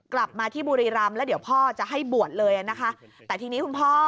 กลับมาที่บุรีรำแล้วเดี๋ยวพ่อจะให้บวชเลยนะคะแต่ทีนี้คุณพ่อ